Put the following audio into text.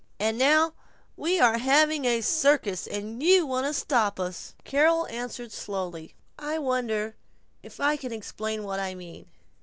And now we are having a circus, you want us to stop!" Carol answered slowly: "I wonder if I can explain what I mean?